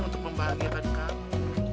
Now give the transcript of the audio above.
untuk membahagiakan kamu